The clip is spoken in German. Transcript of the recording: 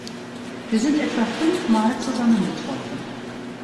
Wir sind etwa fünfmal zusammengetroffen.